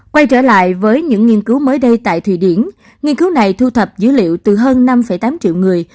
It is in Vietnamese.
quay trở lại với những nghiên cứu mới đây tại thụy điển nghiên cứu này thu thập dữ liệu từ hơn năm tám triệu người